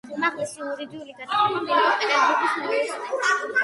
უმაღლესი იურიდიული განათლება მიიღო პეტერბურგის უნივერსიტეტში.